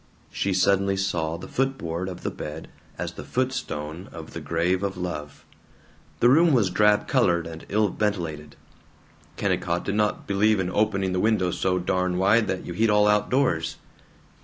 She suddenly saw the foot board of the bed as the foot stone of the grave of love. The room was drab colored and ill ventilated Kennicott did not "believe in opening the windows so darn wide that you heat all outdoors."